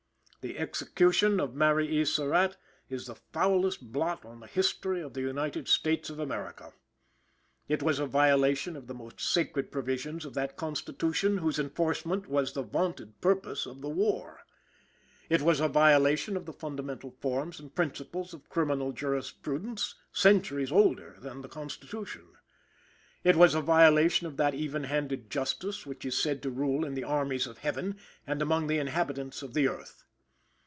The execution of Mary E. Surratt is the foulest blot on the history of the United States of America. It was a violation of the most sacred provisions of that Constitution, whose enforcement was the vaunted purpose of the War. It was a violation of the fundamental forms and principles of criminal jurisprudence, centuries older than the Constitution. It was a violation of that even handed justice, which is said to rule in the armies of Heaven and among the inhabitants of the earth.